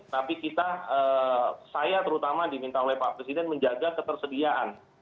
tapi kita saya terutama diminta oleh pak presiden menjaga ketersediaan